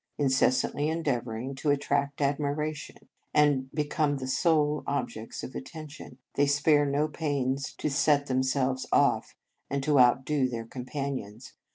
Incessantly endeavouring to at tract admiration, and become the sole objects of attention, they spare no pains to set themselves off, and to outdo their companions.